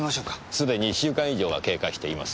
すでに１週間以上が経過しています。